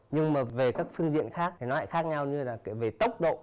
nhưng mà về các phương diện khác thì nó lại khác nhau như là về tốc độ